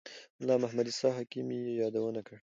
ملا محمد عیسی حکیم یې یادونه کړې.